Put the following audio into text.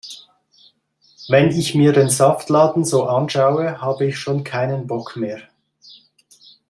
Wenn ich mir den Saftladen so anschaue, hab' ich schon keinen Bock mehr.